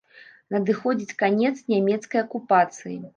Надыходзіць канец нямецкай акупацыі.